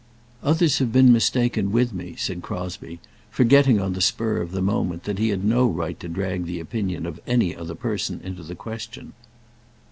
"Others have been mistaken with me," said Crosbie, forgetting, on the spur of the moment, that he had no right to drag the opinion of any other person into the question.